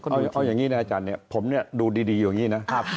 เอาอย่างนี้นะอาจารย์ผมดูดีอยู่อย่างนี้นะ